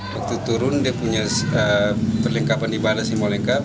waktu turun dia punya perlengkapan ibadah simolengkap